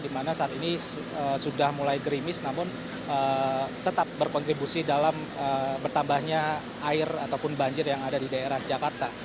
di mana saat ini sudah mulai gerimis namun tetap berkontribusi dalam bertambahnya air ataupun banjir yang ada di daerah jakarta